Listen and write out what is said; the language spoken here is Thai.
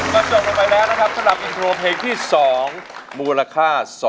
ก็จบลงไปแล้วนะครับสำหรับอินโทรเพลงที่๒มูลค่า